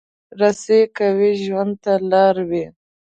رسۍ که وي، ژوند ته لاره وي.